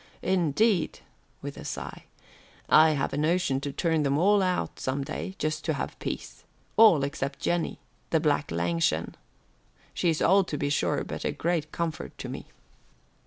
Indeed," with a sigh, "I have a notion to turn them all out some day, just to have peace. All, except Jennie, the black Langshan. She's old to be sure, but a great comfort to me."